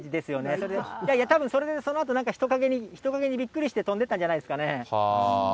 それで、いやいや、たぶんそれで、人影にびっくりして、飛んでったんじゃないですかね。